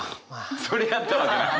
「それやったわ」じゃない。